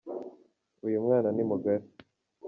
uyumwana nimugari